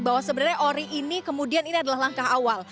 bahwa sebenarnya ori ini kemudian ini adalah langkah awal